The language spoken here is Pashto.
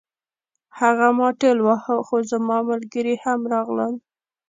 هغه ما ټېل واهه خو زما ملګري هم راغلل